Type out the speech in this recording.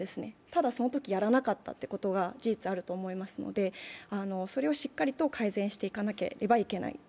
ただそのときやらなかったということが事実あると思いますのでそれをしっかりと改善していかなければいけない。